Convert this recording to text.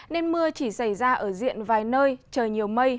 nên mưa chỉ xảy ra ở diện vài nơi trời nhiều mây